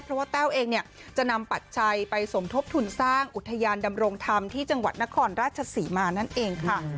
เพราะว่าแต้วเองเนี่ยจะนำปัจชัยไปสมทบทุนสร้างอุทยานดำรงธรรมที่จังหวัดนครราชศรีมานั่นเองค่ะ